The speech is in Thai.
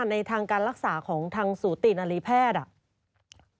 ในทางการรักษาของทางสูตินารีแพทย์